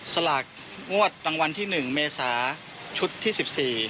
สลากงวดรางวัลที่๑เมษาชุดที่๑๔